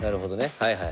はいはい。